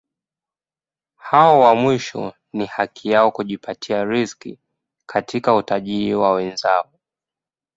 Hao wa mwisho ni haki yao kujipatia riziki kutoka utajiri wa wenzao.